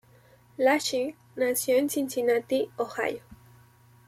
Lachey nació en Cincinnati, Ohio.